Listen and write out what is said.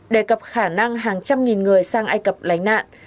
đề cập khả năng hàng trăm nghìn người sang ai cập lánh nạn